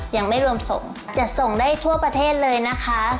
ยังไม่รวมส่งจะส่งได้ทั่วประเทศเลยนะคะ